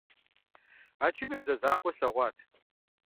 А чыныр зэзакъуэ слъэгъуат.